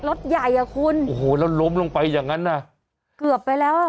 รถใหญ่อ่ะคุณโอ้โหแล้วล้มลงไปอย่างนั้นน่ะเกือบไปแล้วอ่ะ